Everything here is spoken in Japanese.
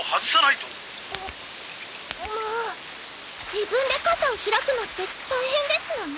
自分で傘を開くのって大変ですのね。